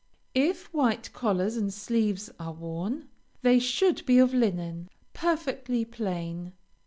If white collars and sleeves are worn, they should be of linen, perfectly plain.